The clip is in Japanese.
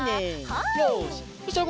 はい。